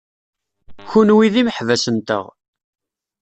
Kenwi d imeḥbas-nteɣ.